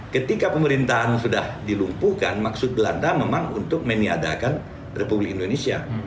ketika pemerintahan sudah dilumpuhkan maksud belanda memang untuk meniadakan republik indonesia